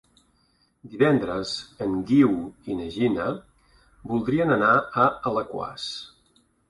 Divendres en Guiu i na Gina voldrien anar a Alaquàs.